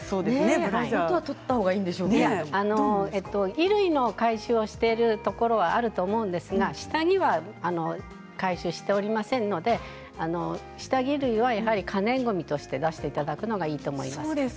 衣類の回収をしているところ、あると思うんですが下着は回収しておりませんので下着類はやはり可燃ごみとして出していただくのがいいと思います。